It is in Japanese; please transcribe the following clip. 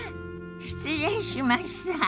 失礼しました。